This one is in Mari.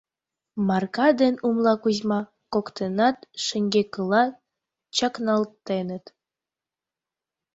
Марка ден Умла Кузьма коктынат шеҥгекыла чакналтеныт.